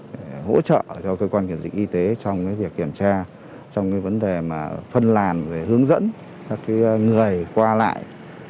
để hỗ trợ cho cơ quan kiểm dịch y tế trong việc kiểm tra trong cái vấn đề mà phân làn hướng dẫn các người qua lại